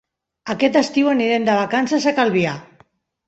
Aquest estiu anirem de vacances a Calvià.